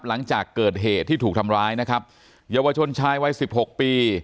หลังจากเกิดเหตุที่ถูกทำร้ายนะครับเยาวชนชายวัยสิบหกปี